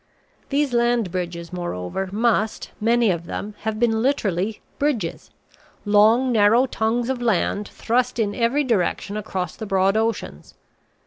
These land bridges, moreover, must, many of them, have been literally bridges; long, narrow tongues of land thrust in every direction across the broad oceans.